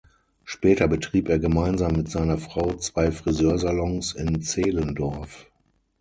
Später betrieb er gemeinsam mit seiner Frau zwei Friseursalons in Zehlendorf.